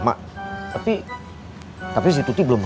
ma tapi tapi belum